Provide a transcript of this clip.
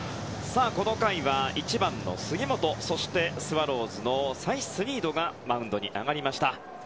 この回は１番の杉本そしてスワローズのサイスニードマウンドに上がりました。